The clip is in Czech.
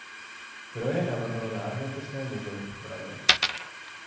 Kroje navrhlo Národopisné muzeum v Praze.